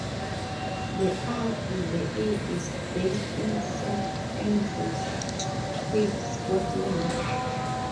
The R and A is based in Saint Andrews, Fife, Scotland.